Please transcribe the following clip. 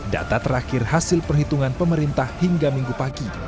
data terakhir hasil perhitungan pemerintah hingga minggu pagi